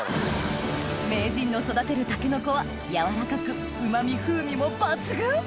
名人の育てるタケノコは柔らかく旨み風味も抜群！